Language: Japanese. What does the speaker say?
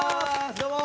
どうも！